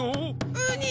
ウニ！